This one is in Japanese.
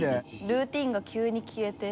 ルーティンが急に消えて。